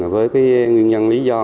với cái nguyên nhân lý do